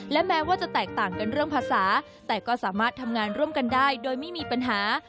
และแม้ว่าจะแตกต่างกันเรื่องภาษาแต่ก็สามารถทำงานร่วมกันได้โดยไม่มีปัญหา